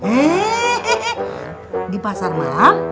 eh di pasar malam